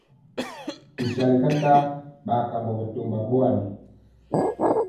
Bisali kakaa ɓa kambɔ bitomba ɓowanɛ.